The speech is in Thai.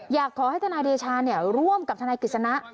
อยากขอให้ธนาดิชาร่วมกับธนาคิศนะ